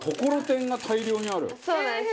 そうなんです。